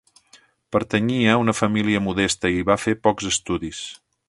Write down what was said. Pertanyia a una família modesta i va fer pocs estudis.